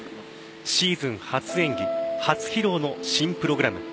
シーズン初演技初披露の新プログラム。